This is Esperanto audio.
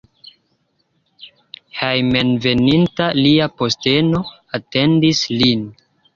Hejmenveninta lia posteno atendis lin.